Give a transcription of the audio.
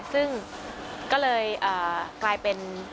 ซึ่งก็เลยกลายเป็น